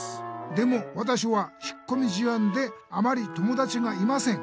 でもわたしは引っこみ思案であまり友だちがいません。